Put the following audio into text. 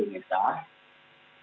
lentang da'aru survei indonesia